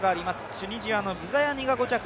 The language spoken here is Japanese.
チュニジアのブザヤニが５着。